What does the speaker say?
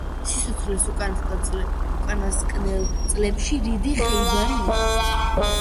სიცოცხლის უკანასკნელ წლებში რიდი ხეიბარი იყო.